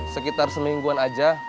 sekitar semingguan aja